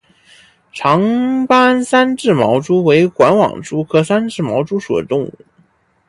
长斑三栉毛蛛为管网蛛科三栉毛蛛属的动物。